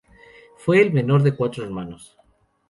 Fue el menor de cuatro hermanos.